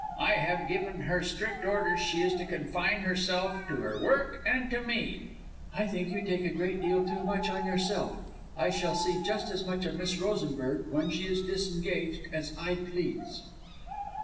I have given her strict orders she is to confine herself to her work, and to me." "I think you take a great deal too much on yourself. I shall see just as much of Miss Rosenberg, when she is disengaged, as I please."